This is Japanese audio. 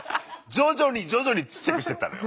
徐々に徐々にちっちゃくしてったのよ。